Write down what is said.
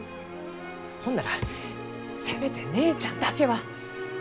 ほんならせめて姉ちゃんだけは。